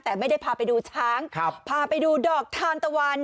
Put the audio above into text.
แต่ไม่ได้พาไปดูช้างพาไปดูดอกทานตะวัน